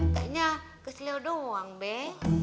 kayaknya kesel doang bek